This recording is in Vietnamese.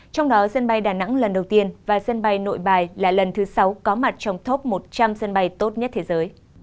trong đó sân bay đà nẵng lần đầu tiên và sân bay nội bài là lần thứ sáu có mặt trong top một trăm linh sân bay tốt nhất thế giới